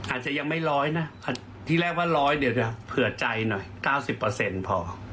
อาจจะยังไม่ร้อยนะที่แรกว่าร้อยเผื่อใจหน่อย๙๐พอ